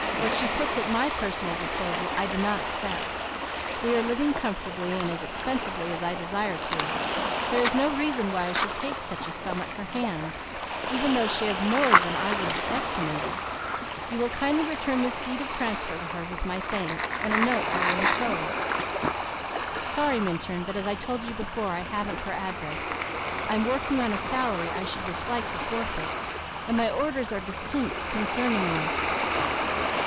"What she puts at my personal disposal I do not accept. We are living comfortably, and as expensively as I desire to. There is no reason why I should take such a sum at her hands, even though she has more than I would have estimated. You will kindly return this deed of transfer to her, with my thanks, and a note I will enclose." "Sorry Minturn, but as I told you before, I haven't her address. I'm working on a salary I should dislike to forfeit, and my orders are distinct concerning you."